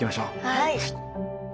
はい。